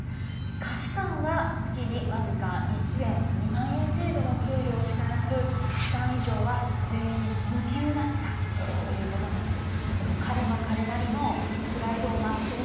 下士官は月に僅か１円２万円程度の給料しかなく士官以上は全員無給だったということなんです。